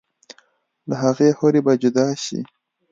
لۀ هغې حورې به جدا شي